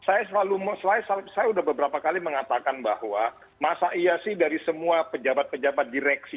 saya selalu saya sudah beberapa kali mengatakan bahwa masa iya sih dari semua pejabat pejabat direksi